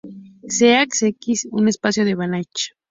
Sea "X" un espacio de Banach.